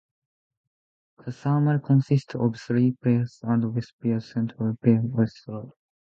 The terminal consists of three piers; the West Pier, Central Pier and East Pier.